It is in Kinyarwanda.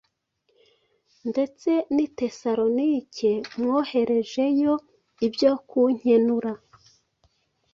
Ndetse n’i Tesalonike mwoherejeyo ibyo kunkenura,